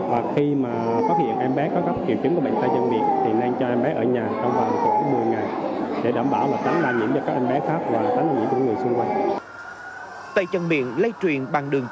và khi mà có hiện em bé có góp kiểm chứng của bệnh tài chân miệng